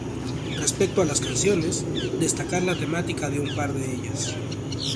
Respecto a las canciones, destacar la temática de un par de ellas.